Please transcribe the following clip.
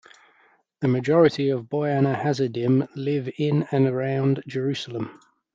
The majority of Boyaner Hasidim live in and around Jerusalem.